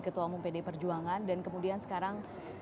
ketua umum pd perjuangan dan kemudian sekarang